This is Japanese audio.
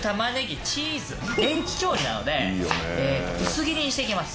レンジ調理なので薄切りにしていきます。